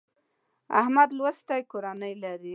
احمد لوستې کورنۍ لري.